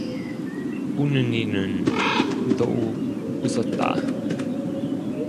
웃는 이는 더욱 웃었다